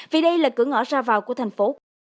vì đây là cửa ngõ ra vào của thành phố